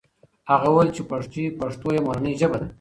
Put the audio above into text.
هغه وویل چې پښتو یې مورنۍ ژبه ده.